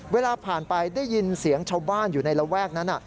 เวลาผ่านไปได้ยินเสียงชาวบ้านอยู่ในระแวกนั้น